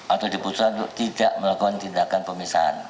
atau diputuskan untuk tidak melakukan tindakan pemisahan